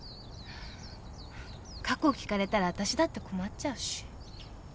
過去聞かれたらあたしだって困っちゃうし。